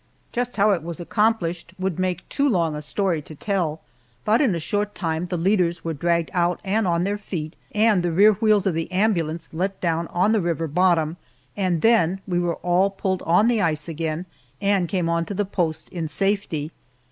Just how it was accomplished would make too long a story to tell, but in a short time the leaders were dragged out and on their feet, and the rear wheels of the ambulance let down on the river bottom, and then we were all pulled up on the ice again, and came on to the post in safety.